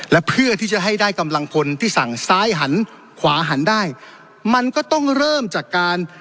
และเพื่อที่จะให้ได้กำลังพลที่สั่งซ้ายหันขวาหันได้มันก็ต้องเริ่มจากการ